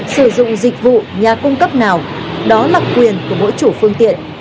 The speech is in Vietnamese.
sử dụng dịch vụ nhà cung cấp nào đó là quyền của mỗi chủ phương tiện